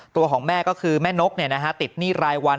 ตัวของแม่ก็คือแม่นกติดหนี้รายวัน